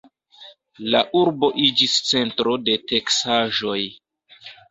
La urbo iĝis centro de teksaĵoj.